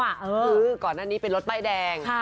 คือก่อนหน้านี้เป็นรถป้ายแดง